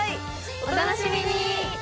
お楽しみに！